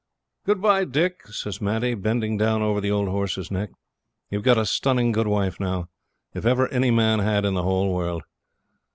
'Good bye, Dick,' says Maddie, bending down over the old horse's neck. 'You've got a stunning good wife now, if ever any man had in the whole world.